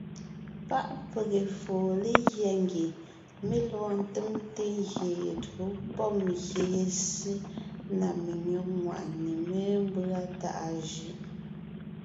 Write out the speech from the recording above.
Páʼ pege foo legyɛ́ ngie mé lɔɔn ńtemte ngyè ye tÿǒ pɔ́b ngyè ye ssé na menÿɔ́g ŋwàʼne mémbʉ́a tàʼa jʉʼ.